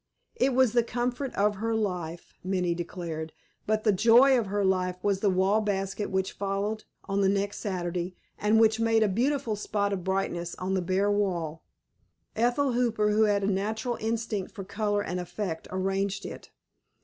It was the comfort of her life, Minnie declared; but the joy of her life was the wall basket which followed on the next Saturday, and which made a beautiful spot of brightness on the bare wall. Ethel Hooper, who had a natural instinct for color and effect, arranged it.